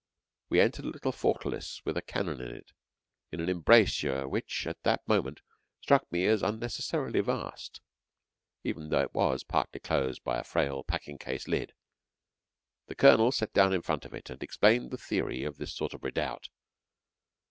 We entered a little fortalice with a cannon in it, in an embrasure which at that moment struck me as unnecessarily vast, even though it was partly closed by a frail packing case lid. The Colonel sat him down in front of it, and explained the theory of this sort of redoubt.